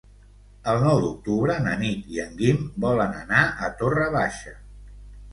El nou d'octubre na Nit i en Guim volen anar a Torre Baixa.